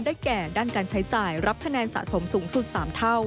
แก่ด้านการใช้จ่ายรับคะแนนสะสมสูงสุด๓เท่า